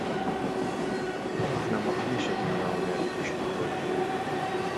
Aħna m'aħniex qegħdin hawnhekk biex naħlu l-ħin.